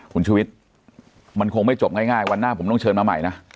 คุณชุวิตมันคงไม่จบง่ายวันหน้าผมต้องเชิญมาใหม่นะ